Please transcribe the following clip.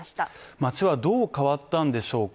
街はどう変わったんでしょうか。